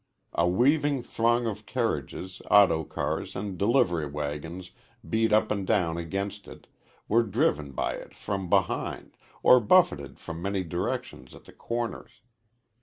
A weaving throng of carriages, auto cars and delivery wagons beat up and down against it, were driven by it from behind, or buffeted from many directions at the corners.